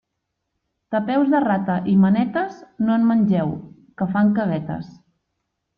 De peus de rata i manetes, no en mengeu, que fan caguetes.